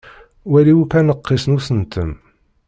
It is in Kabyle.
Wali akk aneqqis n usentem.